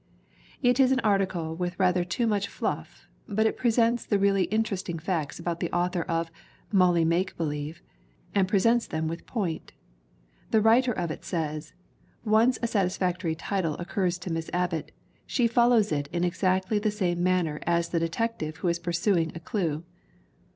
It is an article with rather too much fluff but it pre sents the really interesting facts about the author of Molly Make Believe and presents them with point. The writer of it says: "Once a satisfactory title oc curs to Miss Abbott, she follows it in exactly the same manner as the detective who is pursuing a clue."